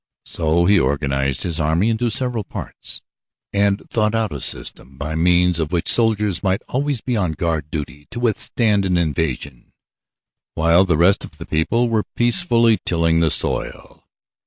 So he organized his army into several parts and thought out a system by means of which soldiers might always be on guard duty to withstand an invasion, while the rest of the people were peacefully tilling the soil.